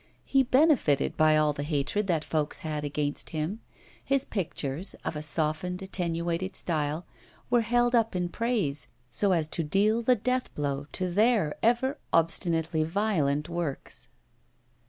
He benefited by all the hatred that folks had against them; his pictures, of a softened, attenuated style, were held up in praise, so as to deal the death blow to their ever obstinately violent works.